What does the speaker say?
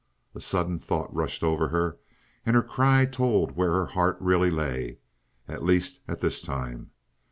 A sudden thought rushed over her, and her cry told where her heart really lay, at least at this time.